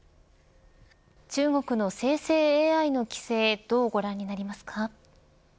中国の生成ＡＩの規制どうご覧になりますか。